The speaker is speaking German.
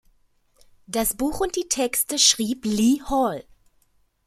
Das Buch und die Texte schrieb Lee Hall.